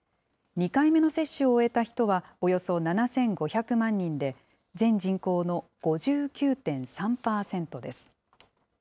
２回目の接種を終えた人はおよそ７５００万人で、全人口の５９．３％です。